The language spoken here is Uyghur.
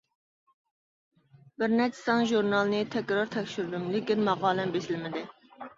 بىر نەچچە سان ژۇرنالنى تەكرار تەكشۈردۈم، لېكىن ماقالەم بېسىلمىدى.